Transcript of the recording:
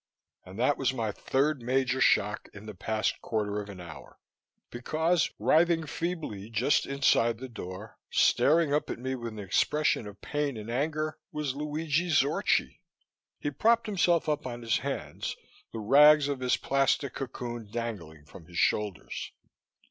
And that was my third major shock in the past quarter of an hour, because, writhing feebly just inside the door, staring up at me with an expression of pain and anger, was Luigi Zorchi. He propped himself up on his hands, the rags of his plastic cocoon dangling from his shoulders.